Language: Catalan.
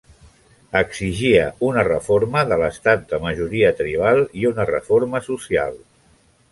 Exigia una reforma de l'estat de majoria tribal i una reforma social.